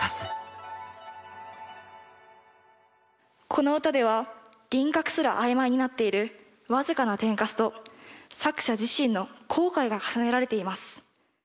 この歌では輪郭すら曖昧になっている僅かな天カスと作者自身の後悔が重ねられています。